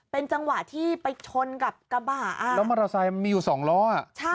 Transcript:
เป็นจังหวะที่ไปชนกับกระบะแล้วมอเตอร์ไซด์มันยังอยู่๒ล้อ